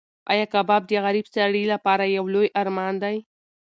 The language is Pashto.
ایا کباب د غریب سړي لپاره یو لوی ارمان دی؟